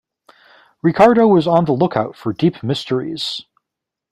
Ricardo was on the look-out for deep mysteries.